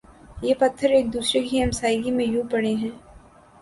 یہ پتھر ایک دوسرے کی ہمسائیگی میں یوں پڑے ہیں